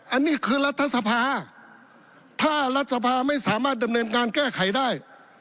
อันนี้คือรัฐสภาถ้ารัฐสภาไม่สามารถดำเนินการแก้ไขได้